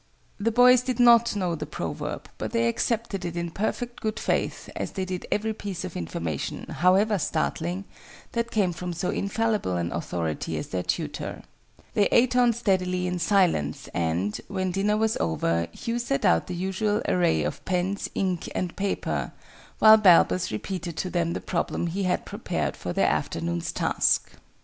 The boys did not know the proverb, but they accepted it in perfect good faith, as they did every piece of information, however startling, that came from so infallible an authority as their tutor. They ate on steadily in silence, and, when dinner was over, Hugh set out the usual array of pens, ink, and paper, while Balbus repeated to them the problem he had prepared for their afternoon's task.